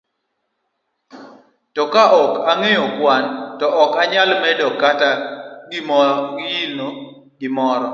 To ka ok ong'eyo kwan, to ok onyal medo kata golo gimoro.